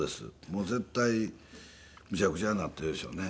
もう絶対むちゃくちゃになっているでしょうね。